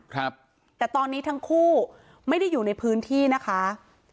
ครับแต่ตอนนี้ทั้งคู่ไม่ได้อยู่ในพื้นที่นะคะ